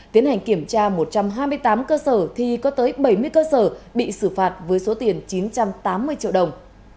tiến hành kiểm tra một trăm hai mươi tám cơ sở thì có tới bảy mươi cơ sở bị xử phạt với số tiền chín trăm tám mươi triệu đồng